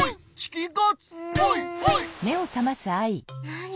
なに？